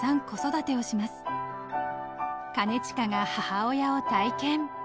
［兼近が母親を体験］